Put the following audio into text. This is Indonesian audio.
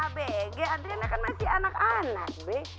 adriana kan masih anak anak be